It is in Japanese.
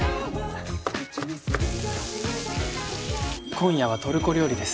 今夜はトルコ料理です。